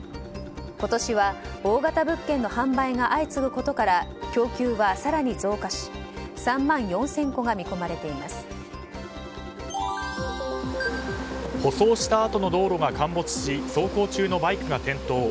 今年は大型物件の販売が相次ぐことから供給は更に増加し３万４０００戸が舗装したあとの道路が陥没し走行中のバイクが転倒。